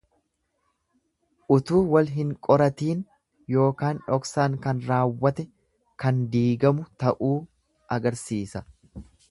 Utuu wal hin qoratiin ykn dhoksaan kan raawwate kan diigamu ta'uu agarsiisa.